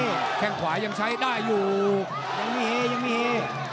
อเจมส์แข่งขวายังใช้ได้อยู่ยังมีเฮยังมีเฮ